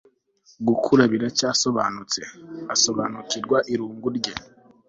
gukura biracyasobanutse, asobanukirwa irungu rye